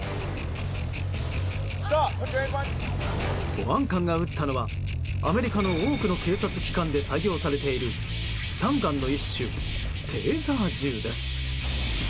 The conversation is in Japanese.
保安官が撃ったのはアメリカの多くの警察機関で採用されているスタンガンの一種テーザー銃です。